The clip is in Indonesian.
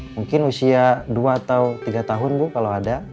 mungkin usia dua atau tiga tahun bu kalau ada